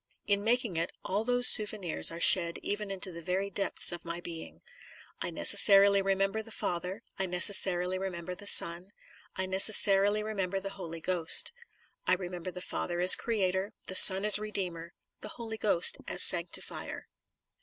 In making it, all those souvenirs are shed even into the very depths of my being. I necessarily remember the Father, I necessarily remember the Son, I necessarily remember the Holy Ghost. I remember the Father as Creator, the Son as Redeemer, the Holy Ghost as sanctifier.